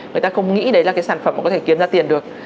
người ta không nghĩ đấy là cái sản phẩm có thể kiếm ra tiền được